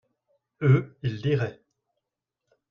eux, ils liraient.